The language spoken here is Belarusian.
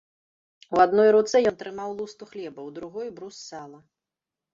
У адной руцэ ён трымаў лусту хлеба, у другой брус сала.